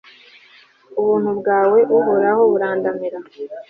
ubuntu bwawe, uhoraho, burandamira